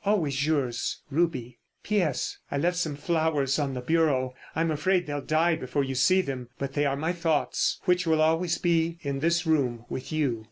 "Always yours, "RUBY." "P.S. I left some flowers on the bureau. I'm afraid they'll die before you see them, but they are my thoughts, which will always be in this room with you."